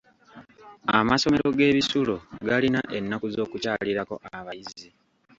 Amasomero g'ebisulo galina ennaku z'okukyalirako abayizi.